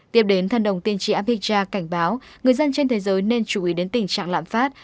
tiếp đến thần đồng tiên tri abhijit anand cảnh báo người dân trên thế giới nên chú ý đến tình trạng lạm phát